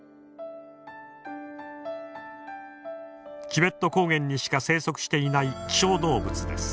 チベット高原にしか生息していない希少動物です。